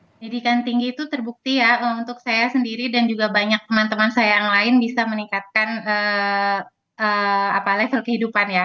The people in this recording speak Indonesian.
pendidikan tinggi itu terbukti ya untuk saya sendiri dan juga banyak teman teman saya yang lain bisa meningkatkan level kehidupan ya